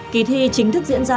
kỳ thi chính thức diễn ra